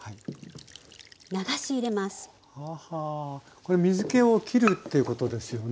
これ水けをきるっていうことですよね。